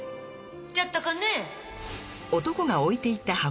じゃったかね？